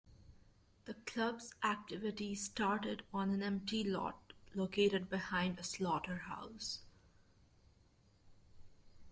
The club's activities started on an empty lot located behind a slaughterhouse.